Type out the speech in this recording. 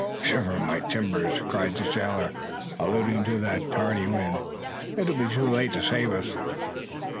"Shiver my timbers!" cried the sailor, alluding to that too tardy wind, "it will be too late to save us!"